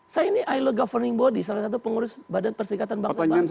saya ini ilo governing body salah satu pengurus badan perserikatan bangsa bangsa